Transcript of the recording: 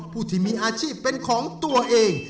ผู้ที่มีอาชีพเป็นของตัวเอง